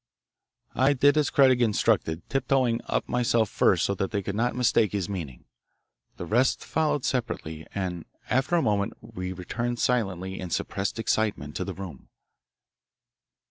I did as Craig instructed tiptoeing up myself first so that they could not mistake his meaning. The rest followed separately, and after a moment we returned silently in suppressed excitement to the room.